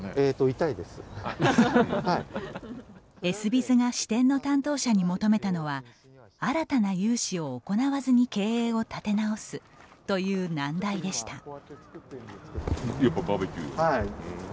エスビズが支店の担当者に求めたのは新たな融資を行わずに経営を立て直す、という難題でした。